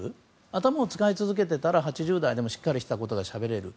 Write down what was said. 頭を使い続けてたら８０代でもしっかりしていることがしゃべれる。